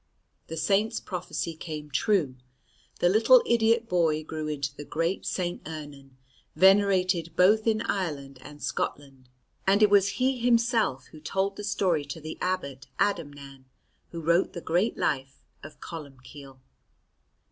The Saint's prophecy came true. The little idiot boy grew into the great St. Ernan, venerated both in Ireland and Scotland; and it was he himself who told the story to the abbot Adamnan who wrote the great life of Columbcille.